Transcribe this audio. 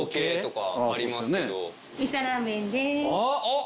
あっ！